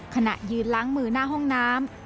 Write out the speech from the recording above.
ขณะยืนล้างมือหน้าห้องน้ำ